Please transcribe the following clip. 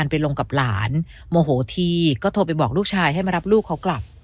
ไปลงกับหลานโมโหทีก็โทรไปบอกลูกชายให้มารับลูกเขากลับ